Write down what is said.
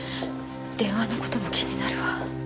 電話の事も気になるわ。